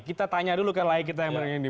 kita tanya dulu ke lay kita yang menengah ini